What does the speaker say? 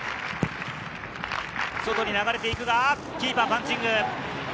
外に流れていくが、キーパー、パンチング！